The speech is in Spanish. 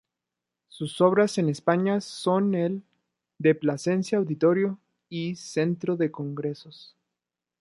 Sus obras en España son el "de Plasencia Auditorio y Centro de congresos".